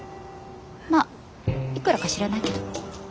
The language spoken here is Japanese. まっいくらか知らないけど。